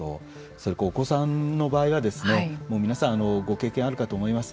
それからお子さんの場合は皆さん、ご経験あるかと思います。